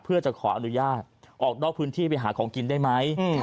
เพื่อจะขออนุญาตออกนอกพื้นที่ไปหาของกินได้ไหม